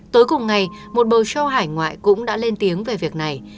tối cùng ngày một bầu show hải ngoại cũng đã lên tiếng về việc này